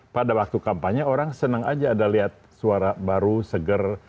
pada waktu kampanye orang senang aja ada lihat suara baru seger